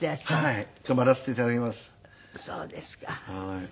はい。